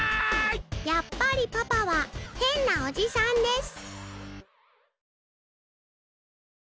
やっぱりパパはへんなおじさんです。